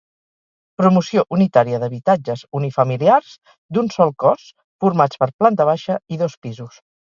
Promoció unitària d'habitatges unifamiliars d'un sol cos formats per planta baixa i dos pisos.